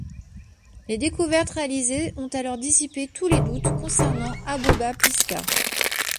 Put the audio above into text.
Les découvertes réalisées ont alors dissipé tous les doutes concernant Aboba-Pliska.